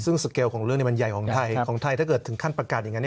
ซึ่งสเกลของเรื่องนี้มันใหญ่ของไทยของไทยถ้าเกิดถึงขั้นประกาศอย่างนั้น